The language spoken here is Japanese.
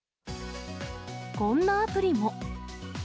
こんなアプリも。